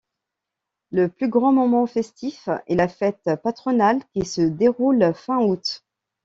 Le plus grand moment festif est la fête patronale qui se déroule fin août.